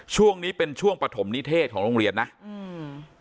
ช่วงนี้เป็นช่วงปฐมนิเทศของโรงเรียนนะอืม